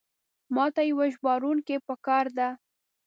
ماته یو ژباړونکی پکار ده.